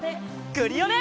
クリオネ！